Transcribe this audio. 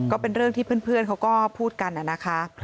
ก็เป็นเรื่องที่เพื่อนเขาก็พูดกันนะคะ